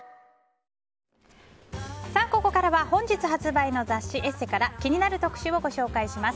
ここかはら本日発売の雑誌「ＥＳＳＥ」から気になる特集をご紹介します。